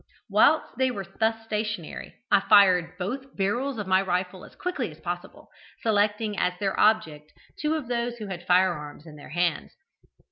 Whilst they were thus stationary I fired both barrels of my rifle as quickly as possible, selecting as their object two of those who had firearms in their hands.